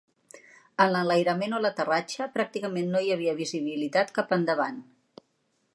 En l'enlairament o l'aterratge, pràcticament no hi havia visibilitat cap endavant.